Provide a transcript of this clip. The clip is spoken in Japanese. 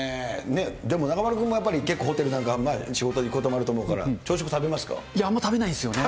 でも中丸君もやっぱり、結構ホテルなんか、仕事で行くこともあると思うから、朝食食べまあんま食べないんですよね。